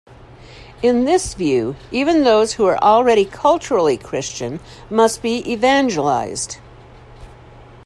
In this view, even those who are already culturally Christian must be "evangelized".